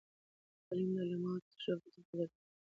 تعلیم د علماوو د تجربو تبادله کوي.